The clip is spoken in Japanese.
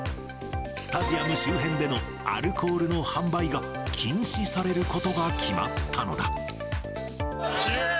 スタジアム周辺でのアルコールの販売が禁止されることが決まったのだ。